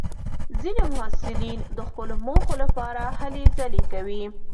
ځینې محصلین د خپلو موخو لپاره هلې ځلې کوي.